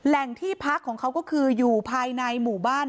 แหล่งที่พักของเขาก็คืออยู่ภายในหมู่บ้าน